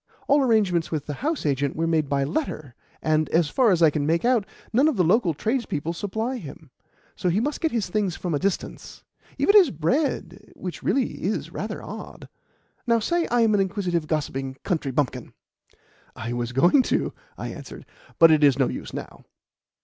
All arrangements with the house agent were made by letter, and, as far as I can make out, none of the local tradespeople supply him, so he must get his things from a distance even his bread, which really is rather odd. Now say I am an inquisitive, gossiping country bumpkin." "I was going to," I answered, "but it is no use now."